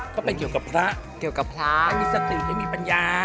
ก็เป็นเกี่ยวกับพระให้มีสติให้มีปัญญา